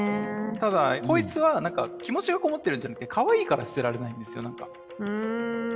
ただこいつは何か気持ちがこもってるんじゃなくてかわいいから捨てられないんですよ何か。